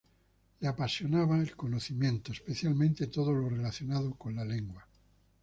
Le apasionaba el conocimiento, especialmente todo lo relacionado con la lengua.